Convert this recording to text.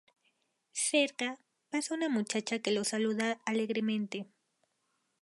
Cerca, pasa una muchacha que lo saluda alegremente.